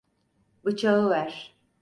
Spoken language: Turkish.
Bıçağı ver.